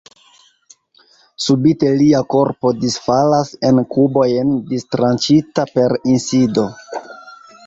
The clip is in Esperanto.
Subite lia korpo disfalas en kubojn, distranĉita per insido.